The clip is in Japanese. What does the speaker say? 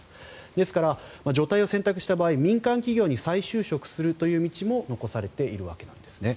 ですから除隊を選択した場合民間企業に再就職するという道も残されているわけなんです。